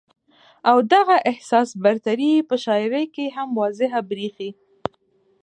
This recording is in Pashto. او دغه احساس برتري ئې پۀ شاعرۍ کښې هم واضحه برېښي